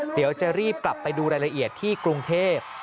เดี๋ยวจะรีบกลับไปดูรายละเอียดที่กรุงเทพ